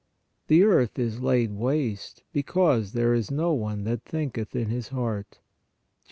The earth is laid waste, because there is no one that thinketh in his heart Jer.